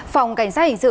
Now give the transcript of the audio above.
phòng cảnh sát hình sự